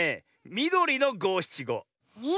みどりのごしちご？